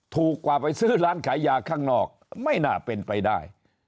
ถูกกว่าไปซื้อร้านขายยาข้างนอกไม่น่าเป็นไปได้